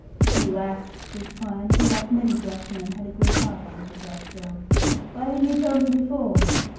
"You ass!" says Pine who, like many gruff men, had a good heart under his rough shell "why didn't you tell me before?"